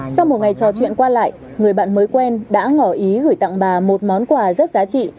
sau một ngày trò chuyện qua lại người bạn mới quen đã ngỏ ý gửi tặng bà một món quà rất giá trị